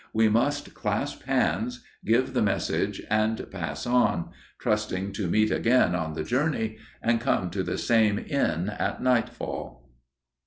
We must clasp hands, give the message and pass on, trusting to meet again on the journey, and come to the same inn at nightfall.